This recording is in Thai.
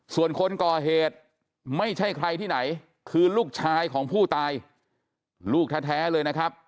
ส่วนคนก่อเหตุไม่ใช่ใครที่ไหนคือลูกชายของผู้ตายลูกแท้เลยนะครับ